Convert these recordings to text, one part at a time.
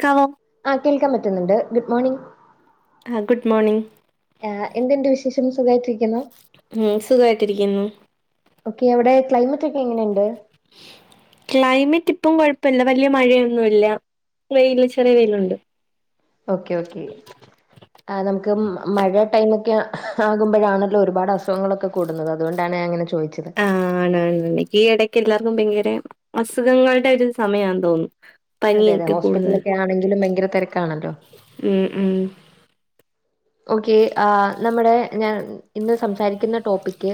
ക്കാവം ആഹ് കേൾക്കാൻ പറ്റുന്നുണ്ട് ഗുഡ് മോർണിംഗ് ആഹ് ഗുഡ് മോർണിംഗ് ആഹ് എന്തെണ്ട് വിശേഷം സുഖായിട്ടിരിക്കുന്നു ഉം സുഖായിട്ടിരിക്കുന്നു ഓക്കെ അവിടെ ക്ലൈമറ്റ് ഒക്കെ എങ്ങനെയുണ്ട്? ക്ലൈമറ്റ് ഇപ്പം കൊഴ്പ്പല്ല വല്ല്യ മഴയൊന്നുല്ല വെയില് ചെറിയ വെയിലുണ്ട് ഓക്കെ ഓക്കേ ആഹ് നമുക്ക് മഴ ടൈമൊക്കെ ആകുമ്പോഴാണല്ലോ ഒരുപാട് അസുഖങ്ങളൊക്കെ കൂടുന്നത് അതുകൊണ്ടാണ് ഞാൻ അങ്ങനെ ചൊ ചോയ്ച്ചത് ആണ് ആണ് ഇവക്ക് ഈ ഇടക്ക് എല്ലാർക്കും ഭയങ്കര അസുഖങ്ങളുടെ ഒരു സമയാന്ന് തോന്നുന്നു. അതെ അതെ പനിയൊക്കെ കൂടുതൽ ഹോസ്പിറ്റൽലൊക്കെ ആണെങ്കിലും ഭയങ്കരതിരക്കാണല്ലോ ഉം ഉം ഓക്കെ ആഹ് നമ്മുടെ ഞാൻ ഇന്ന് സംസാരിക്കുന്ന ടോപ്പിക്ക്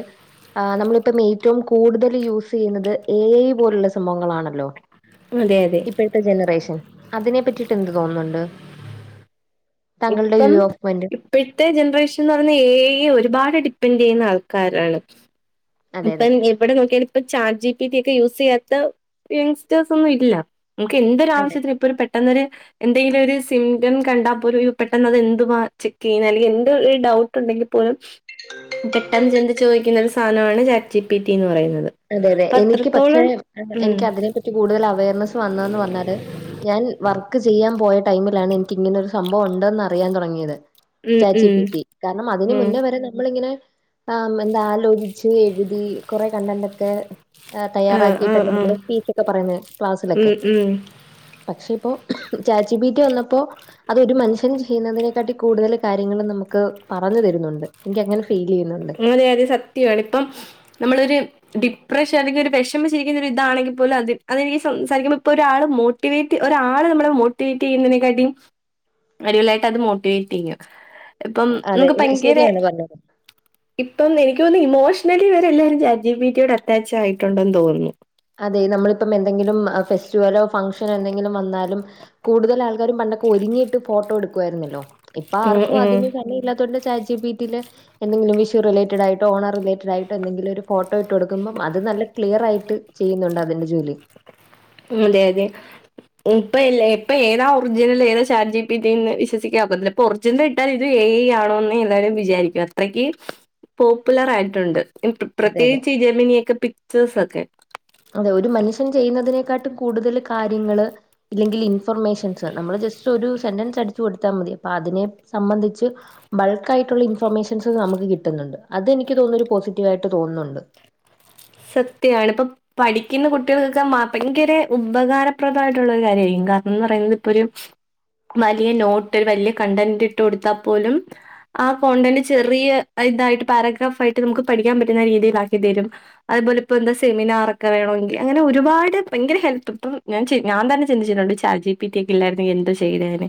ആഹ് നമ്മളിപ്പം ഏറ്റവും കൂടുതൽ യൂസ് ചെയ്യുന്നത് എ ഐ പോലുള്ള സംഭവങ്ങളാണല്ലോ അതെ അതെ ഇപ്പഴത്തെ ജനറേഷൻ അതിനെ പറ്റിയിട്ട് എന്ത് തോന്നുന്നുണ്ട്? താങ്കളുടെ വ്യൂ ഓഫ് പോയിന്റ് ഇപ്പഴത്തെ ജനറേഷൻ എന്ന് പറഞ്ഞ എ ഐ യെ ഒരുപാട് ഡിപ്പെൻഡ് ചെയ്യുന്ന ആൾക്കാരാണ് അതെ അതെ ഇപ്പം എവിടെ നോക്കിയാലും ഇപ്പ ചാറ്റ് ജി പി ടി ഒക്കെ യൂസ് ചെയ്യാത്ത യങ്സ്റ്റേഴ്സ് ഒന്നും ഇല്ല നമുക്ക് അതെ എന്തൊരാവശ്യത്തിനും ഇപ്പൊ ഒരു പെട്ടെന്നൊരു എന്തെങ്കിലും ഒരു സിംറ്റം കണ്ടാൽ പോലും പെട്ടെന്ന് അത് എന്തുവാ ചെക്ക് ചെയ്യുന്നെ അല്ലെങ്കിൽ എന്ത്‌ ഒരു ഡൗ ട്ടുണ്ടെങ്കിപോലും പെട്ടെന്ന് ചിന്തിച്ചു ചോയിക്കുന്ന ഒരു സാധനമാണ് ചാറ്റ് ജി പി ടി എന്ന് പറയുന്നത്. അതെ അതെ അപ്പൊ എനിക്ക് പക്ഷേ അത്രത്തോളം ഉം എനിക്ക് അതിനെപ്പറ്റി കൂടുതൽ അവയർനെസ്സ് വന്നതെന്ന് പറഞ്ഞാല് ഞാൻ വർക്ക് ചെയ്യാൻ പോയ ടൈമിലാണ് എനിക്ക് ഇങ്ങനെ ഒരു സംഭവം ഉണ്ടെന്ന് അറിയാൻ തുടങ്ങിയത് ഉം ഉം ചാറ്റ്ജിപിറ്റി കാരണം അതിന് ഉം മുന്നേ വരെ നമ്മളിങ്ങനെ ആ എന്താ ആലോചിച്ച് എഴുതി കൊറെ കണ്ടന്റ് ഒക്കെ ആഹ് ആഹ് തയ്യാറാക്കിയിട്ടല്ലേ ആഹ് നമ്മള് സ്പീച്ചൊക്കെ പറയുന്നത് ക്ലാസ്സിലൊക്കെ ഉം ഉം പക്ഷെ ഇപ്പോ ചാറ്റ്ജിബീറ്റി വന്നപ്പോ അതെ ഒരു മനുഷ്യൻ ചെയ്യുന്നതിനെക്കാട്ടിയും കൂടുതൽ കാര്യങ്ങൾ നമുക്ക് പറഞ്ഞു തരുന്നുണ്ട് എനിക്ക് അങ്ങനെ ഫീൽ ചെയ്യുന്നുണ്ട് അതെ അതെ സത്യമാണ് ഇപ്പം നമ്മളൊരു ഡിപ്രഷൻ അല്ലെങ്കിൽ ഒരു വിഷമിച്ചിരിക്കുന്ന ഒരു ഇതാണെങ്കിൽ പോലും അത് അതെനിക്ക് സംസാരിക്കുമ്പോ ഇപ്പോൊ ഒരാള് മോട്ട് മോട്ടിവേറ്റ് ഒരാള് നമ്മെളെ മോട്ടിവേറ്റ് ചെയ്യുന്നതിനെക്കാട്ടിയ്യും അടിപൊളി ആയിട്ട് അത് മോട്ടിവേറ്റ് ചെയ്യും ഇപ്പം നമുക്ക് ഭയങ്കര ശരിയാണ് അതെ ഇപ്പൊ എനിക്കത്തോന്നുന്നു ഇമോഷണലി ഇവരെല്ലാരും ചാറ്റ്ജിബിറ്റിയോട് അറ്റാച്ച് ആയിട്ടുണ്ടെന്ന് തോന്നുന്നു അതെ നമ്മളിപ്പം എന്തെങ്കിലും ഫെസ്റ്റിവലോ ഫങ്ക്ഷനോ എന്തെങ്കിലും വന്നാലും കൂടുതൽ ആൾക്കാരും പണ്ടൊക്കെ ഒരുങ്ങിയിട്ട് ഫോട്ടോ എടുക്കുആയിരുന്നല്ലോ ഇപ്പൊ ഉം ആർക്കും ഉം. അതിന് സമയം ഇല്ലാത്തോണ്ട് ചാറ്റ്ജിബിറ്റിയിൽ എന്തെങ്കിലും വിഷു റിലേയേറ്റഡ് ആയിട്ടോ ഓണം റിലേറ്റഡ് ആയിട്ടോ എന്തെങ്കിലും ഒരു ഫോട്ടോ ഇട്ടുക്കൊടുക്കുമ്പോ അത് നല്ല ക്ലിയർയായിട്ട് ചെയ്യുന്നുണ്ട് അതിൻ്റെ ജോലി അതെ അതെ ഉം ഇപ്പൊ ഇല്ലേ ഇപ്പൊ ഏതാ ഒറിജിനൽ ഏതാ ചാറ്റ് ജി പി ടി ന്ന് വിശ്വസിക്കാന് ഒക്കത്തില്ല ഒറിജിനൽ ഇട്ടാൽ ഇത് എ ഐ ആണോന്ന് എല്ലാരും വിചാരിക്കും അത്രക്ക് പോപ്പുലർ ആയിട്ടുണ്ട് അതെ അതെ. പ്രത്യേകിച്ച് ഈ ജമിനിയൊക്കെ പിചേഴ്‌സ് ഒക്കെ അതെ ഒരു മനുഷ്യൻ ചെയ്യുന്നതിനേക്കാട്ടി കൂടുതൽ കാര്യങ്ങള് ഇല്ലെങ്കിൽ ഇൻഫർമേഷൻസ് നമ്മള് ജസ്റ്റ് ഒരു സെന്റൻസ് അടിച്ചു കൊടുത്താൽ മതി അപ്പൊ അതിനെ സംബന്ധിച്ച് ബൾക്ക് ആയിട്ടുള്ള ഇൻഫർമേഷൻസ് നമുക്ക് കിട്ടുന്നുണ്ട് അത്‌ എനിക്ക് തോന്നുന്ന് ഒരു പോസിറ്റീവ് ആയിട്ട് തോന്നുന്നുണ്ട് സത്യാണ് ഇപ്പൊ പഠിക്കുന്ന കുട്ടികൾക്കൊക്കെ ഭയങ്കര ഉപകാരപ്രദമായിട്ടുള്ള ഒരു കാര്യമായിരിക്കും കാരണം എന്ന് പറയുന്നത് ഇപ്പൊ ഒരു വലിയ നോട്ട് വലിയ കണ്ടന്റ് ഇട്ടുക്കൊടുത്താൽ പോലും ആ കോണ്ടന്റ് ചെറിയ ഇതായിട്ട് പാരഗ്രാഫ് ആയിട്ട് നമുക്ക് പഠിക്കാൻ പറ്റുന്ന രീതിയിലാക്കിത്തരും അതുപോലെ ഇപ്പൊ എന്ത സെമിനാറൊക്കെ വേണെങ്കിൽ അങ്ങനെ ഒരുപാട് ഭയങ്കര ഹെല്പ് ഇപ്പൊ ഞാൻ ഞാൻ തന്നെ ചിന്തിച്ചിട്ടുണ്ട് ചജിപിറ്റി ഒക്കെ ഇല്ലായിരുന്ന് എങ്കിൽ എന്ത് ചെയ്തേന്നെ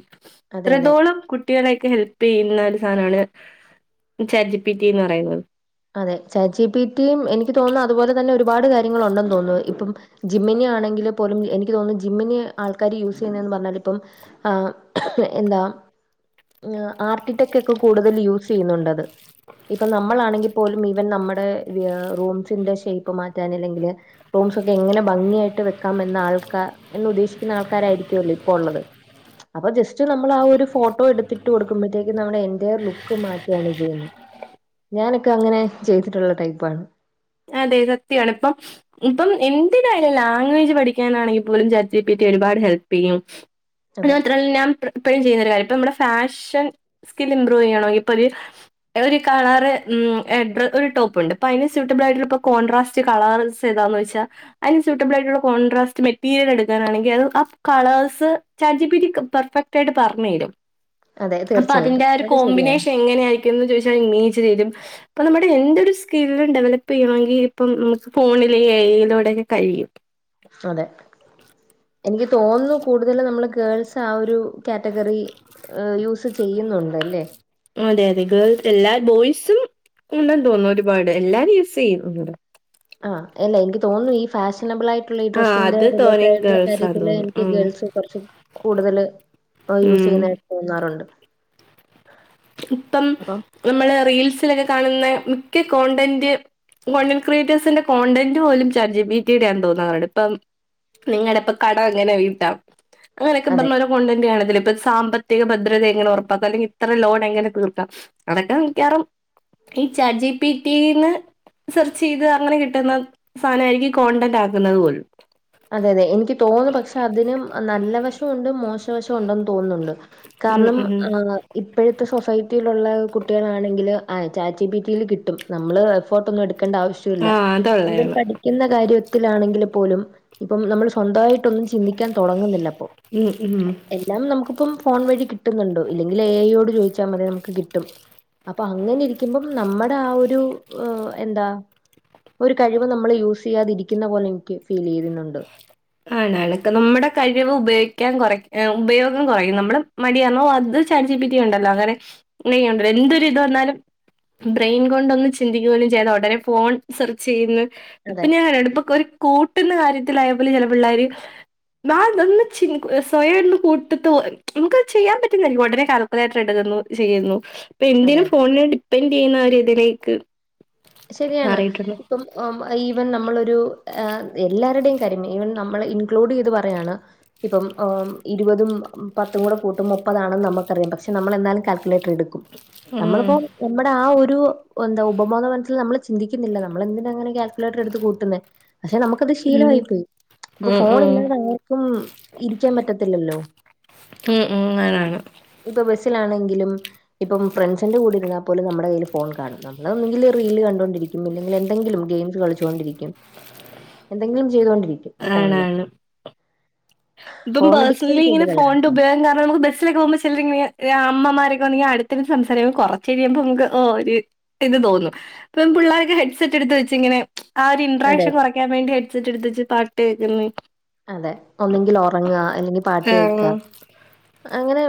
അതെ അതെ. ഇത്രത്തോളം കുട്ടികളെയക്കെ ഹെൽപ് ചെയ്യുന്ന ഒരു സാധനമാണ് ചാറ്റ് ജിപ്പിറ്റി എന്ന് പറയുന്നത് അതെ ചജിപ്പിറ്റിയും എനിക്ക് തോന്നുന്നു അതുപോലെ തന്നെ ഒരുപാട് കാര്യങ്ങളും ഉണ്ടെന്ന് തോന്നുന്നു ഇപ്പം ജിമിനി ആണെങ്കില് പോലും എനിക്ക് തോന്നുന്നു ജിമിനി ആൾക്കാര് യൂസ് ചെയ്യുന്നതന്ന് പറഞ്ഞാൽ ഇപ്പം ആ എന്താ ആർട്ടിടെക് ഒക്കെ കൂടുതൽ യൂസ് ചെയ്യുന്നുണ്ട് അത്‌ ഇപ്പം നമ്മളാണെങ്കിൽ പോലും ഈവൻ നമ്മുടെ റൂംസ്ന്റെ ഷേപ്പ് മാറ്റാൻ അല്ലെങ്കിൽ റൂംസ് ഒക്കെ എങ്ങനെ ഭംഗിയായിട്ട് വെക്കാം എന്ന ആൾക്കാർ എന്ന് ഉദ്ദേശിക്കുന്ന ആൾക്കാരായിരിക്കുവല്ലോ ഇപ്പ ഉള്ളത് അപ്പൊ ജസ്റ്റ് നമ്മൾ ആ ഒരു ഫോട്ടോ എടുത്തിട്ട് കൊടുക്കുമ്പോഴത്തേക്കും നമ്മുടെ എന്റയർ ലുക്ക് മാറ്റിയാണ് ചെയ്യുന്നത് ഞാനൊക്കെ അങ്ങനെ ചെയ്തിട്ടുള്ള ടൈപ്പാണ് അതെ സത്യാണ് ഇപ്പം ഇപ്പം എന്തിനായാലും ലാംഗ്വേജ് പഠിക്കാനാണെങ്കിൽ പോലും ചാറ്റ്ജിപ്പിറ്റി ഒരുപാട് ഹെൽപ് ചെയ്യും [inaudible] അത് മാത്രമല്ല ഞാൻ ഇപ്പോഴും ചെയ്യുന്ന ഒരു കാര്യം ഇപ്പം നമ്മുടെ ഫാഷൻ സ്കിൽ ഇമ്പ്രൂവ് ചെയ്യണമെങ്കിൽ ഇപ്പൊ ഒരു ഒരു കളർ എഡ്ര ഒരു ടോപ്പ് ഇണ്ട് അപ്പൊ അതിന് സ്യൂട്ട് സ്യൂട്ടാബിൽ ആയിട്ടുള്ള ഇപ്പൊ കോൺട്രാസ്റ്റ് കളർസ് ഏതാ എന്ന് ചോദിച്ചാൽ അതിന് സൂട്ടബിൾ ആയിട്ടുള്ള കോൺട്രാസ്റ്റ് മെറ്റീരിയൽ എടുക്കാനാണെങ്കിൽ അത് ആ കളേഴ്സ് ചാറ്റ്ജിപ്പിറ്റി പെർഫെക്റ്റ് ആയിട്ട് പറഞ്ഞ് തരും അതെ അപ്പൊ തീർച്ചയായിട്ടും അതിന്റെ ആ ഒരു അത് ശരിയാണ്. കോമ്പിനേഷൻ എങ്ങനെയായിരിക്കും ന്ന് ചോദിച്ചാൽ ഇമേജ് തെരും. അപ്പം നമ്മുടെ എന്തൊരു സ്കിലും ഡെവലപ്പ് ഇപ്പം ചെയണമെങ്കിൽ ഇപ്പം നമുക്ക് ഫോണിലെ എ ഐ യിലൂടെയൊക്കെ കഴിയും അതെ എനിക്ക് തോന്നുന്നു. കൂടുതല് നമ്മള് ഗേൾസ് ആ ഒരു കാറ്റഗറി യൂസ് ചെയ്യുന്നുണ്ടല്ലേ അതെ അതെ ഗേൾസ് എല്ലാ ബോയ്സും ഉണ്ടെന്ന് തോന്നുന്നു ഒരുപാട്. എല്ലാരും യൂസെയ്യും അവരുടെ ആഹ് അല്ല എനിക്ക് തോന്നുന്നു. ഈ ഫാഷ് നബിൾ ആയിട്ടുള്ള ഈ ആ ഡ്രസ്സിന്റെ അത് തോനെ റിലേറ്റടായിട്ടുള്ള ഗേൾസാ കാര്യത്തില് തോന്നുന്നു എനിക്ക് ഉം ഗേൾസ് കൊർച്ച് കൂടുതല് യൂസ് ഉം ചെയ്യുന്ന് തോന്നാറുണ്ട് ഇപ്പം അപ്പം നമ്മള് റീൽസിലൊക്കെ കാണുന്ന മിക്ക കോണ്ടന്റ് കോണ്ടന്റ്റ് ക്രിയേറ്റേഴ്സിന്റെ കോണ്ടന്റ് പോലും ചാറ്റ് ജി പി ടി യടെ ആണെന്ന് തോന്നാറുണ്ട് ഇപ്പം നിങ്ങടെ പ്പ കട എങ്ങനെ വീട്ടാം അങ്ങനൊക്കെ അതെ [unintelligible] കൊണ്ടന്റ്ണതി ഇപ്പോ സാമ്പത്തിക ഭദ്രത എങ്ങനെ ഉറപ്പാക്കും അല്ലെങ്ക ൽ ഇത്ര ലോൺ ങ്ങനെ കൊടുക്കാം അതൊക്കെ മിക്കറും ഈ ചാജി പിറ്റീന്ന് സെർച്ച് ചെയ്ത് അങ്ങനെ കിട്ടുന്ന സാനമായിരിക്കും കോണ്ടന്റ് ആക്കുന്നത് പോലും അതെ അതെ, എനിക്ക് തോന്നുന്നു പക്ഷെ അതിനും നല്ല വശവുണ്ട് മോശവശവുണ്ടെന്ന് തോന്നുന്നുണ്ട് ഉം കാരണം ഉം ആഹ് ഇപ്പഴത്തെ സൊസൈറ്റിയിലുള്ള കുട്ടികളാണെങ്കിൽ ആ ചാറ്റ് ജി പി ടി ല്കിട്ടും നമ്മള് ഫോട്ടോ ഒന്നും എടുക്കേണ്ട ആവശ്യല്ല ആഹ് ഇവൻ അതുള്ളയാണ് പഠി ക്കുന്ന കാര്യത്തിലാണെങ്കിൽ പോലും ഇപ്പം നമ്മൾ സ്വന്തവായിട്ടൊന്നും ചിന്തിക്കാൻ തൊടങ്ങുന്നില്ല ഉം ഉം എല്ലാം നമുക്കിപ്പം ഫോൺ വഴി കിട്ടുന്നുണ്ട്. ഇല്ലെങ്കിൽ എ ഐ യോട് ചോദിച്ചാൽ മതി നമുക്ക് കിട്ടും. അപ്പ അങ്ങനെ ഇരിക്കുമ്പം നമ്മടാ ഒരു ഹ് എന്ത ഒരു കഴിവ് നമ്മള് യൂസ് ചെയ്യാതിരിക്കുന്ന പോലെ എനിക്ക് ഫീൽ ചെയ്യുന്നുണ്ട് ആണാ ആളക്കെ നമ്മടെ കഴിവ് ഉപയോഗിക്കാൻ കുറ ഏഹ് ഉപയോഗം കൊറയും നമ്മുടെ മടികാരണം അത് ചാറ്റ് ജി പി റ്റി കണ്ടല്ലോ അങ്ങനെ എന്തൊരിത് വന്നാലും ബ്രെയിൻ കൊണ്ടൊന്ന് ചിന്തിക്കുകയെന്നും ചെയ്യാതെ ഉടനെ ഫോൺ സെർച്ച് ചെയ്യുന്ന് ഇപ്പൊ അതെ ഞാൻ ഇപ്പൊ ഒരു കൂട്ടുന്ന കാര്യത്തിലായ പോലെ ചെല പിള്ളോര് ന തൊന്ന്ച്ചി സ്വയംന്ന് കൂട്ടത്ത് നമുക്ക്ത് ചെയ്യാൻ പറ്റില്ല ഉടനെ കാൽ കുലേറ്റർ എടുക്കുന്നു. ചെയുന്നു ഇപ്പൊ അതെ എന്തിനും ഫോണിനെ ഡിപ്പെൻഡറ് ചെയ്യുന്ന ഒര്തിലേക്ക് ശരിയാണ് ഇപ്പം ഓ ഈവൻ നമ്മളൊരു ഏഹ് എല്ലാവരുടെയും കാര്യം ഈവൻ നമ്മളെ ഇൻക്ലൂഡ് ചെയ്ത് പറയാണ് ഇപ്പം ഓ ഇരുപതും പത്തും കൂടെ കൂട്ടുമ്പോ മുപ്പതാണെന്ന് നമുക്കറിയാം പക്ഷെ നമ്മൾ എന്നാലും കാൽക്കുലേറ്റർ എടുക് ക്കും, ഉം. നമ്മളിപ്പോ നമ്മുടെ ആ ഒരു എന്താ ഉപബോധ മന ൽ നമ്മള് ചിന്തിക്കുന്നില്ല നമ്മളെന്തിനാ ഇങ്ങനെ കാൽക്കുലേറ്റർ എടുത്ത് കൂട്ടുന്നേ പക്ഷെ നമുക്കത് ഉം. ശീലമായി പോയി ഇപ്പൊ ഉം. ഉം. ഉം. ഫോണില്ലാതെ ആർക്കും ഇരിക്കാൻ പറ്റത്തില്ലല്ലോ [unintelligible] ഇപ്പൊ ബസ്സിലാണെങ്കിലും ഇപ്പം ഫ്രണ്ട്സിന്റെ കൂടെ ഇരുന്നാ പോലും നമ്മുടെ കയ്യിൽ ഫോൺ കാണും. നമ്മള ഒന്നുങ്കിൽ റീല് കണ്ടോണ്ടിരിക്കും. ഇല്ലെങ്കിൽ എന്തെങ്കിലും ഗെയിംസ് കളിച്ചോണ്ടിരിക്കും എന്തെങ്കിലും ചെയ്തോണ്ടി രിക്കും ഫോൺല് ആണാണ്. ഇപ്പം അഡിക്ഷൻ പേഴ്സണലി ഇങ്ങനെ ഫോന്റെ കൂടുതലാണല്ലോ ഉപയോഗം കരണം നമുക്ക് ബസ്സ് ലൊക്കെപോകുമ്പ [unintelligible] അമ്മമാരെക്കെണ്ടെ അടുത്ത് ഇരുന്ന്സംസാരിക്കും കൊറച്ച്ഴിയുമ്പോ നമക്ക്ഓ ഒരു ഇത് തോന്നും. പ്പം പിള്ളാരൊക്കെ ഹെഡ്സെറ്റ് എടുത്ത് വെച്ചിങ്ങനെ ആ ഒരു അതെ ഇൻറട്രാക്ഷൻ അതെ കുറയ്ക്കാൻ വേണ്ടി ഹെഡ്സെറ്റ് എടുത്ത് വെച്ച് പാട്ട് കേക്ക്ന്ന് അതെ.. ഒന്നെങ്കിൽ ഒറങ്ങാ അല്ലെങ്കിൽ പാട്ട് കേക്ക.. ആഹ് അങ്ങനെ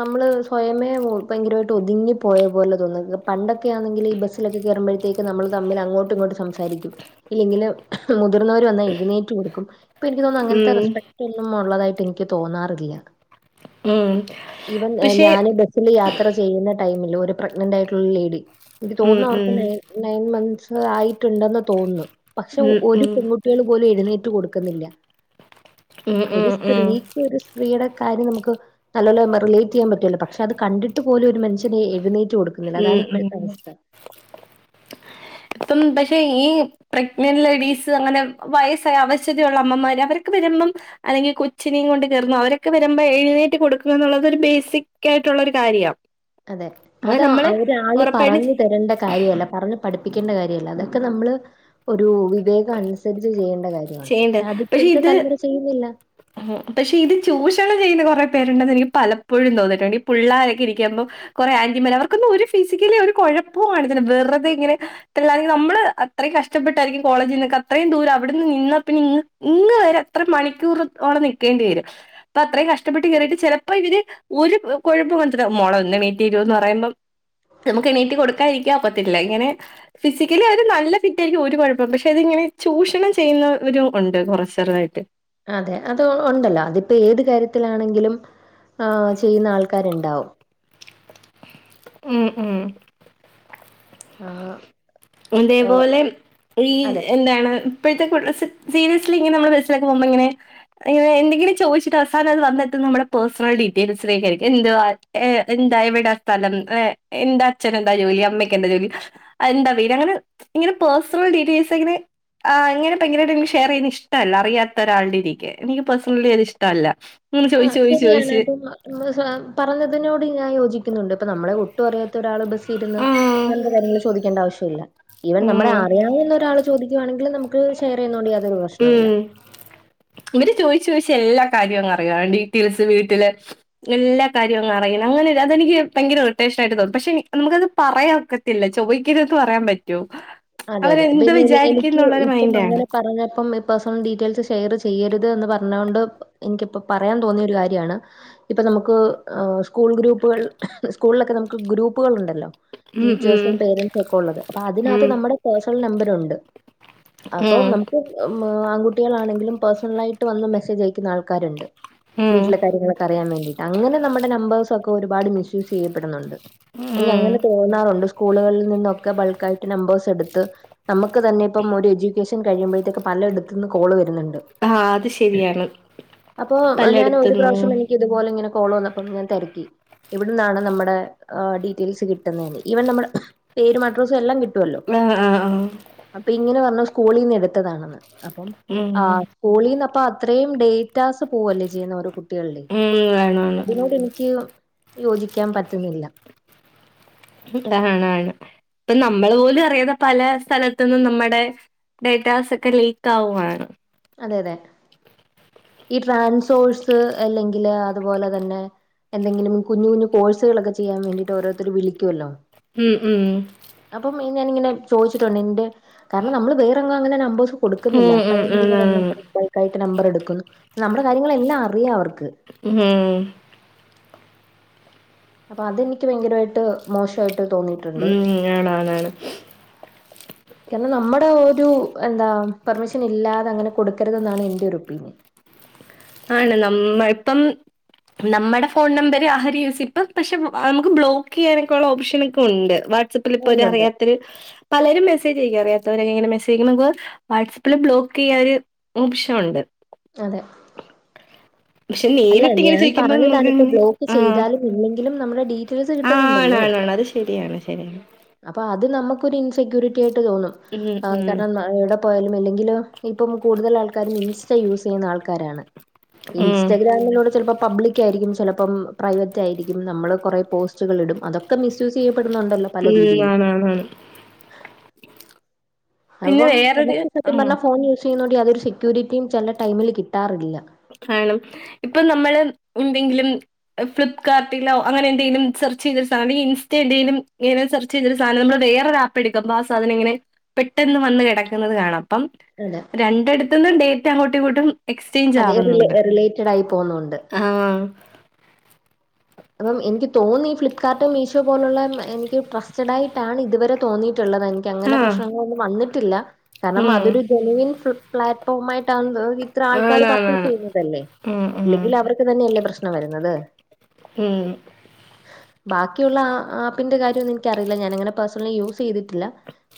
നമ്മള് സ്വയമേ ഭയങ്കരമായിട്ട് ഒതുങ്ങി പോയ പോലെ തോന്ന പണ്ടൊക്കെ ആണെങ്കിൽഈ ബസിലൊക്കെ കേറുമ്പഴത്തേക്ക് നമ്മള് തമ്മിലങ്ങോട്ടും ഇങ്ങോട്ടും സം സാരിക്കും. ഇല്ലെങ്കില് മുതിർന്നവര് വന്ന എഴുന്നേറ്റ് കൊടുക്കും. ഇപ്പെനിക്ക് തോന്നുന്നു. അങ്ങനത്തെ ഉം റസ്പെക് ട്ടൊന്നും ഉള്ളതായിട്ട് എനിക്ക് തോന്നാറില്ല. ഉം ഈവൻ എ പക്ഷെ ഞാന് ബെ സ്സില് യാത്ര ചെയ്യുന്ന ടൈമില്, ഒരു പ്രഗ്നന്റ് ആയിട്ടുള്ള ലേഡി, എനിക്ക് ഉം തോന്നുന്നു അവർക്ക് ഉം നെ നയൻ മന്ത്സ് ആയിട്ടുണ്ടെന്ന് തോന്നുന്നു പക്ഷെ ഉം ഒരു ഉം പെൺകുട്ടി കുട്ടികൾ പോലും എഴുന്നേറ്റ് കൊടുക്കുന്നില്ല ഉം ഒരു ഉം ഉം സ്ത്രീക്ക് ഒരു സ്ത്രീയുടെ കാര്യം നമുക്ക് നല്ലോല റിലേറ്റ് ചെയ്യാൻ പറ്റുല്ലൊ പക്ഷെ അത് കണ്ടിട്ട് പോലും ഒരു മനുഷ്യര് എഴുന്നേറ്റ് കൊടു ഇവിടെ അതാണ് ഉം ഉം ഇപ്പോഴത്തെ അവസ്ഥ ഇപ്പം പക്ഷെ ഈ പ്രഗ്നന്റ് ലേഡീസ് അങ്ങനെ വയസ്സായ അവശതയുള്ള അമ്മമാര് അവരൊക്കെ വരുമ്പം അല്ലെങ്കി കൊച്ചിനേം കൊണ്ട് കേറുന്ന അവരൊക്കെ വരുമ്പോ എഴുന്നേറ്റ് കൊടുക്കുക എന്നുള്ളത് ഒരു ബേസിക് ആയിട്ടുള്ള ഒരു കാര്യാ അതെ അതാ അ ഒരാള് ഉറപ്പായിട്ടും പറഞ്ഞു തരേണ്ട കാര്യല്ല പറഞ്ഞു പഠിപ്പിക്കണ്ട കാര്യല്ല അതൊക്കെ നമ്മള് ഒരു വിവേകം അനുസരിച്ച് ചെയ്യേണ്ട കാര്യമാണ് പക്ഷെ ചെയ്യേണ്ടത് അതിപ്പോഴത്തെ ഇത് തലമുറ ചെയ്യുന്നില്ല പക്ഷെ ഇത് ചൂഷണം ചെയ്യുന്ന കൊറേ പേരുണ്ടെന്ന് എനിക്ക് പലപ്പോഴും തോന്നിട്ടുണ്ട് ഈ പുള്ളോരൊക്കെ ഇരിക്കുമ്പോ കൊറെ ആന്റിമാര് അവർക്കൊന്നും ഒരു ഫിസിക്കലി ഒരു കുഴപ്പോം കാണത്തില്ല വെറുതെ ഇങ്ങനെ ഇത്രയും നാള് നമ്മള് അത്രയും കഷ്ടപ്പെട്ടായിരിക്കും കോളേജിന്നൊക്കെ അത്രയും ദൂരം അവിടുന്ന് നിന്നാ പിന്നെ ഇങ് ഇങ് വരെ അത്ര മണിക്കൂർ ഓടെ നിക്കേണ്ടി വരും അപ്പൊ അത്രയും കഷ്ടപ്പെട്ട് കേറിട്ട് ചിലപ്പോ ഇവര് ഒരു കൊഴപ്പം കാണത്തില്ല മോളെ ഒന്ന്ണീറ്റരുവോ എന്ന് പറയുമ്പം നമുക്ക് എണീറ്റ് കൊടുക്കാ ഇരിക്കാ ഒക്കത്തില്ല ഇങ്ങനെ ഫിസിക്കലി അവര് നല്ല ഫിറ്റ് ആയിരിക്കും ഒരു കുഴപ്പം പക്ഷെ അതിങ്ങനെ ചൂഷണം ചെയ്യുന്നവരും ഉണ്ട് കുറച്ചെറുതായിട്ട് അതെ അത് ഉണ്ടല്ലോ അതിപ്പോ ഏത് കാര്യത്തിലാണെങ്കിലും ആഹ് ചെയ്യുന്ന ആൾക്കാരിണ്ടാവും ഉം ഉം ആഹ് അതേപോലെ ഈ അതെ എന്താണ് ഇപ്പഴ്ത്തെ കൂട്ട് സീരിയസ്ലി ഇങ്ങനെ നമ്മള് ബസ്സിലൊക്കെ പോകുമ്പോ ഇങ്ങനെ യ്യോ എന്തെങ്കിലും ചോദിച്ചിട്ട് അവസാനത് വന്നെത്തുന്ന നമ്മുടെ പേഴ്സണൽ ഡീറ്റെയിൽസിലേക്കാ എന്തുവാ ഏഹ് എന്താ എവിടാ സ്ഥലം എന്താ അച്ഛനെന്താ ജോലി അമ്മയ്ക്കെന്താ ജോലി എന്താ വീട് ഇങ്ങനെ പേഴ്സണൽ ഡീറ്റെയിൽസ് അങ്ങനെ ആഹ് അങ്ങനെ ഭയങ്കരട്ടെനിക്ക് ഷെയർ ചെയ്യുനെഇഷ്ടല്ല അിയാത്ത ഒരാളുടരിക്കെ എനിക്ക് പേഴ്സണലി അത് ഇഷ്ടല്ല ഉം ആഹ് ചോയിച്ചു ചോയിച്ച് ശരിയാണ്. ചോദിച്ചു ഇപ്പം പറഞ്ഞതിനോട് ഞാൻ യോജിക്കുന്നുണ്ട് ഇപ്പ നമ്മളെ ഒട്ടും അറിയാത്ത ഒരാൾ ബസ് ന്ന് ഉം അങ്ങനത്തെ കാര്യങ്ങള് ചോദിക്കേണ്ട ആവശ്യല്ല ഈവൻ നമ്മളെ ഉം ആറി ആങ്ങനൊരാള് ചോദിക്കുവാണങ്കില് നുക്ക് ഷെയർ ചെയ്യുന്ന കൊണ്ട് യാ ഉം ഇവര് ചോദിച്ചു ചോദിച്ച് എല്ലാ കാര്യവും അങ്ങ് അറിയു ഡീറ്റെയിൽസ് വീട്ടിലെ എല്ലാ കാര്യവും അങ് അറിയണം അങ്ങനെ ഒരു അതെനിക്ക് ഭയങ്കര ഇറിട്ടേഷനായിട്ട് തോന്നും പക്ഷെ നമുക്കത് പറയാൻക്കെ ത്തില്ല ചോയിക്കുന്നത് പറയാൻ പറ്റോ അതെ അതെ പിന്നെ എനിക്ക് ഇപ്പം മൈൻഡാണ് അങ്ങനെ പറഞ്ഞപ്പം പേഴ്സണൽ ഡീറ്റെയിൽസ് ഷെയർ ചെയ്യരുത് എന്ന് പറഞ്ഞ കൊണ്ട് എനിക്കിപ്പോ പറയാൻ തോന്നിയ ഒരു കാര്യമാണ് ഇപ്പൊ നമുക്ക് സ്കൂൾ ഗ്രൂപ്പുകൾ സ്കൂളിലൊക്കെ നമുക്ക് ഗ്രൂപ്പുകൾ ഉണ്ടല്ലോ ഉം ഉം ടീച്ചേഴ്സും പേരൻ്റസും ഒക്കെ ഉള്ളത് അപ്പൊ അതിനാത്ത് ഉം നമ്മുടെ പേഴണൽ നമ്പരൊണ്ട് അപ്പോ ഉം നമ ആൺകുട്ടികളാണെങ്കിലും പേഴ്സണലായിട്ട് വന്ന് മെസ്സേജ് അയക്കുന്ന ആൾക്കാരുണ്ട് ഉം വീട്ടിലെ കാര്യങ്ങളൊക്കെ അറിയാൻ വേണ്ടിയിട്ട് അങ്ങനെ നമ്മുടെ നമ്പേഴ്സ് ഒക്കെ ഒരുപാട് മിസ് യുസ് ചെയ്യപ്പെടുന്നുണ്ട് എനിക്ക് ഉം. അങ്ങനെ തോന്നാറുണ്ട് സ്കൂളുകളിൽ നിന്നൊക്കെ ബൾക്കായിട്ട് നമ്പേഴ്സ് എടു ത്ത് നമുക്ക് തന്നെ ഇപ്പം ഒരു എഡ്യൂക്കേഷൻ കഴിയുമ്പോഴത്തേക്കാ പലയിടത്തു നിന്ന് കോള് വരുന്നുണ്ട് ആ അത് ശരിയാണ് അപ്പൊ ഞാന് ഒരു പലയിടത്തുനിന്ന് പ്രാവശ്യം എനി ഇതുപലെങ്ങനെ കോള് വന്നപ്പം ഞാൻ തിരക്കി എവിടുന്നാണ് നമ്മുടെ ഡീറ്റെയിൽസ് കിട്ടുന്നെന്ന് ഈവൻ നമ്മുടെ പേരും അഡ്രസ്സും എല്ലാം കിട്ടുമല്ലോ ആഹ് ആഹ് ആഹ് അപ്പൊ ഇങ്ങനെ പറഞ്ഞു സ്കൂളിന്ന് എടുത്തതാണെന്ന് അപ്പം ഉം ആഹ് സ്കൂളീന്നപ്പ അത്രയും ഡേറ്റാസ് പോവല്ലേ ചെയ്യുന്നെ കു കുട്ടികളിലെ ഉം വേണമാണ് അതിനോട് എനിക്ക് യോജിക്കാൻ പറ്റുന്നില്ല തണാണ് ഇപ്പൊ നമ്മൾ പോലും അറിയാതെ പല സ്ഥലത്തുന്നും നമ്മടെ ഡേറ്റാസ് ഒക്കെ ലീക്ക് ആവുവാണ് അതെ അതെ ഈ ട്രാൻസോഴ്സ് അല്ലെങ്കില് അതുപോലെ തന്നെ എന്തെങ്കിലും കുഞ്ഞു കുഞ്ഞു കോഴ്സുകളൊക്കെ ചെയ്യാൻ വേണ്ടിട്ട് ഓരോരുത്തർ വിളിക്കുവല്ലോ ഉം ഉം അപ്പം ഞാനിങ്ങനെ ചോയിച്ചിട്ടുണ്ട് എന്റെ കാരണം നമ്മള് വേറെങ്ങും അങ്ങനെ നമ്പേഴ്സ് ഉം കൊടുക്കുന്നില്ല അപ്പഴ ഉം ഉം ആണ്. ബൾക്കായിട്ട് നമ്പർ എടുക്കുന്നു നമ്മുടെ കാര്യങ്ങളെല്ലാം അറിയാം അവർക്ക് ഉം അപ്പൊ അതെനിക്ക് ഭയങ്കരമായിട്ട് മോശമായിട്ട് തോന്നിയിട്ടുണ്ട് ഉം ആണാണാണ്. ആണ് ആണ്. കാരണം നമ്മുടെ ഒരു എന്താ പെർമിഷൻ ഇല്ലാതെ അങ്ങനെ കൊടുക്കരുതെന്നാണ് എന്റെ ഒരു ഒപ്പീനിയൻ ആണ് നമ്മ ഇപ്പം നമ്മുടെ ഫോൺ നമ്പര് ആരി യൂസ്പ്പം പക്ഷെ നമുക്ക് ബ്ലോക്ക് ചെയ്യാനൊക്കെള്ള ഓപ്ഷൻ ഒക്കെ ഉണ്ട് പ്പിൽ ഇപ്പോ ഉണ്ടുണ്ട് അറിയാത്തൊരു പലരും മെസേജ് അയക്കും അറിയാത്തവരക്കെങ്ങനെ മെസേജ് അയക്കുംമ്പോമക്ക് വാട്സആപ്പിൽ ബ്ലോക്ക് ചെയ്യാര് ഓപ്ഷനുണ്ട് അതെ പക്ഷെ അല്ല നേരിട്ടിങ്ങനെ ഞാൻ ചോയിക്കുമ്പോ പറഞ്ഞതാണ് ഇപ്പൊ നമുക്ക്ങ്ങനെ ബ്ലോക്ക് ആ ചെയ്താലും ഇല്ലെങ്കിലും നമ്മുടെ ഡീറ്റെയിൽസ് കിട്ടുന്നുണ്ടല്ലോ ആണാണ്ണ് അത് ശരിയാണ് ശരിയാണ് അപ്പൊ അത് നമുക്കൊരു ഇൻസെക്യൂരിറ്റി ആയിട്ട് തോന്നും ഉം ഉം കാരണം ഇവിടെ പോയാലും അല്ലെങ്കിലിൽ ഇപ്പം കൂടുതൽ ആൾക്കാരും ഇൻസ്റ്റ യൂസ് ചെയ്യുന്ന ആൾക്കാരാണ് ഉം ഇൻസ്റ്റാഗ്രാമിലൂടെ ചിലപ്പോ പബ്ലിക് ആയിരിക്കും ചിലപ്പം പ്രൈവറ്റ് ആയിരിക്കും നമ്മൾ കുറേ പോസ്റ്റുകൾ ഇടും അതൊക്കെ മിസ്സ്യൂസ് ചെയ്യപ്പെടുന്നുണ്ടല്ലോ പല ഉം രീതിയിലും ആണ്ണാണ് ആണ് പിന്നെ അപ്പം വേറൊരു നമുക്ക് സത്യം ഉം പറഞ്ഞാ ഫോൺ യൂസ് ചെയ്യുന്നോണ്ട് യാതൊരു സെക്യൂരിറ്റിയും ചില ടൈമില് കിട്ടാറില്ല ആണം ഇപ്പൊ നമ്മള് എന്തെങ്കിലും ഫ്ലിപ്കാർട്ടിലോ അങ്ങനെ എന്തെലും സെർച്ച് ചെയ്തൊരു സാനം ഇൻസ്റ്റ എന്തെലും തൊരു സാധനം നമ്മള് വേറൊരു ആപ്പ് എടുക്കുമ്പോ ആ സാധനം ഇങ്ങനെ പെട്ടെന്ന് വന്ന് കിടക്കുന്നത് കാണ അപ്പം അതെ രണ്ടടുത്തുന്നും ഡേറ്റ അങ്ങോട്ടും ഇങ്ങോട്ടും എക്സ്ചേഞ്ച് ആകും അതെ റിലേറ്റഡ് ആയി പോകുന്നുണ്ട് ആഹ് അപ്പം എനിക്ക് തോന്നി ഫ്ലിപ്കാർട്ട് മീഷോ പോലുള്ള എനിക്ക് ട്രസ്റ്റഡ് ആയിട്ടാണ് ഇതുവരെ തോന്നിയിട്ടുള്ളത് എനിക്ക് അങ്ങനെ ആഹ് പ്രശ്നങ്ങളൊന്നും വന്നിട്ടില്ല കാരണം ഉം അതൊരു ജെനുവിൻ പ്ലാറ്റ്ഫോ ആയിട്ടാണ ഇത്ര ആൾക്കാര് പർച്ചേസ് ആണാണാണ്. ചെയ്യുന്നതല്ലേ ഉം ഉം ഇല്ലെങ്കിൽ അവർക്ക് തന്നെയല്ലേ പ്രശ്നം വരുന്നത് ഉം ബാക്കിയുള്ള ആപ്പിന്റെ കാര്യം ഒന്നും എനിക്കറിയില്ല ഞാനങ്ങനെ പേഴ്സണലീ യൂസ് ചെയ്തിട്ട്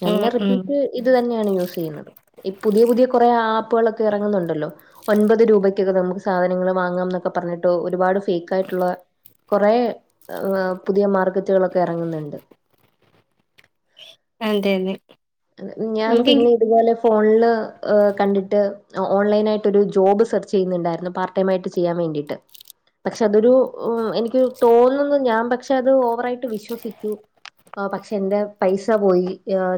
ഞാൻ ഉം ഉം റിപ്പീറ്റ് ഇത് തന്നെയാണ് യൂസ് ചെയ്യുന്നത് ഈ പുതിയ പുതിയ കുറെേ ആപ്പുകളൊക്കെ ഇറങ്ങുന്നുണ്ടല്ലോ ഒൻപത് രൂപയ്ക്കൊക്കെ നമുക്ക് സാധനങ്ങൾ വാങ്ങാം എന്നൊക്കെ പറഞ്ഞിട്ട് ഒരുപാട് ഫേക്ക് ആയിട്ടുള്ള കോറേ പുതിയ മാർക്കറ്റുകളളോക്കെ ഇറങ്ങുന്നുണ്ട് അതെ അതെ ഞാൻ നമുക്കെങ്കി പിന്നെ ഇതുപോലെ ഫോണില് കണ്ടിട്ട് ഓൺലൈനായിട്ട് ഒരു ജോബ് സെർച്ച് ചെയ്യുന്നുണ്ടായിരുന്നു പാർട്ട് ടൈം ആയിട്ട് ചെയ്യാൻ വേണ്ടിയിട്ട് പക്ഷെ അതൊരു എനിക്ക് തോന്നുന്നു ഞാൻ പക്ഷെ അത് വറായിട്ട് വിശ്വസിച്ചു പക്ഷെ എന്റെ പൈസ പോയി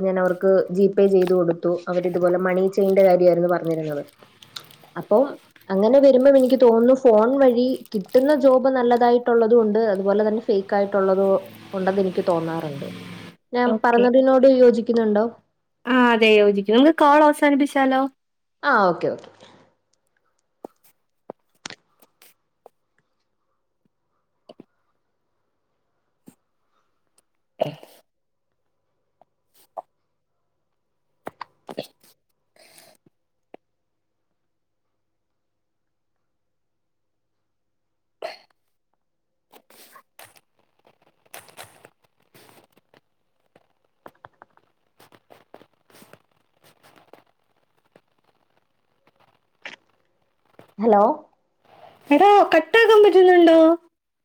ഞാൻ അവർക്ക് ജിപേ ചെയ്തു കൊടുത്തു അവര്തുപോലെ മണി ചെയിന്റെ കാര്യ ആയിരുന്നു പറഞ്ഞിരുന്നത് അപ്പം അങ്ങനെ വരുമ്പം എനിക്ക് തോന്നുന്നു ഫോൺ വഴി കിട്ടുന്ന ജോബ് നല്ലതായിട്ടുള്ളതോണ്ട് അതുപോലെ തന്നെ ഫേക്ക് ആയിട്ടുള്ളതോ ഉണ്ടെന്ന് എനിക്ക് തോന്നാറുണ്ട് ഞാൻ ഓക്കെ പറഞ്ഞതിനോട് യോജിക്കുന്നുണ്ടോ ആഹ് അതെ യോജിക്കുന്ന് കോള് അവസാനിപ്പിച്ചാലോ ആഹ് ഓക്കെ ഓക്കെ [inaudible] ഹലോ എഡോ കട്ടാക്കാൻ പറ്റുന്നുണ്ടോ